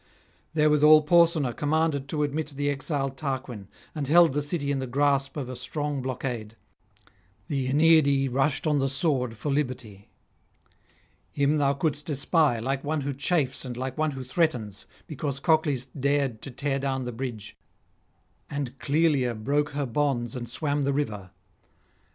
Therewithal Porsena commanded [647 681]to admit the exiled Tarquin, and held the city in the grasp of a strong blockade; the Aeneadae rushed on the sword for liberty. Him thou couldst espy like one who chafes and like one who threatens, because Cocles dared to tear down the bridge, and Cloelia broke her bonds and swam the river.